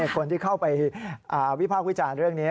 คนที่เข้าไปวิพากษ์วิจารณ์เรื่องนี้